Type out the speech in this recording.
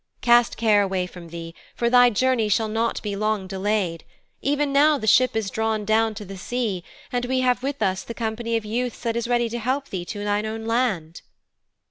Cast care away from thee, for thy journey shall not be long delayed. Even now the ship is drawn down to the sea, and we have with us the company of youths that is ready to help thee to thine own land.'